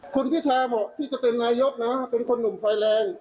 คุณพิชาเหล่าที่จะเป็นอายุบนะเป็นคนหนุ่มฝ่ายแรง